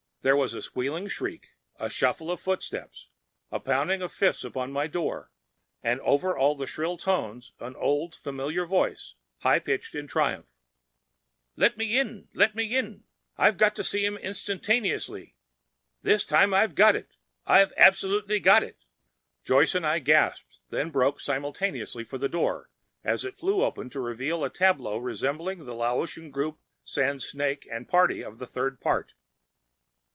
There was a squealing shriek, the shuffle of footsteps, the pounding of fists upon my door. And over all the shrill tones of an old, familiar voice high pitched in triumph. "Let me in! I've got to see him instantaceously. This time I've got it; I've absolutely got it!" Joyce and I gasped, then broke simultaneously for the door as it flew open to reveal a tableau resembling the Laocoon group sans snake and party of the third part.